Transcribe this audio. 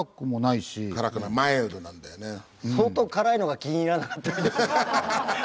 相当辛いのが気に入らなかったみたい。